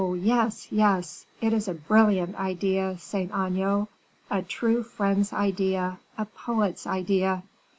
yes, yes. It is a brilliant idea, Saint Aignan, a true friend's idea, a poet's idea.